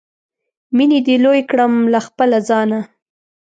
مینې دې لوی کړم له خپله ځانه